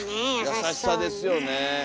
優しさですよね。